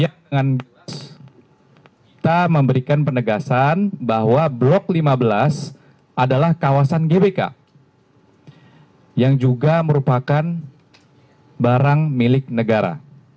kita memberikan penegasan bahwa blok lima belas adalah kawasan gbk yang juga merupakan barang milik negara